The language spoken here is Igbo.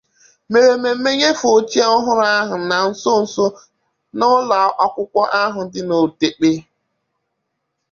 mèrè mmemme nyefè oche ọhụrụ ahụ na nsonso a n'ụlọakwụkwọ ahụ dị n'Odekpe